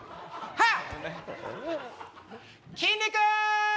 はっ！